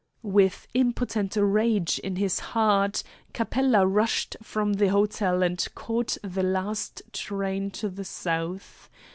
With impotent rage in his heart, Capella rushed from the hotel and caught the last train to the south.